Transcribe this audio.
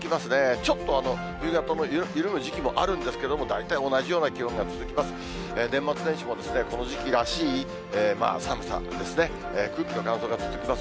ちょっと冬型の緩む時期もあるんですが、大体同じような気温が続きます。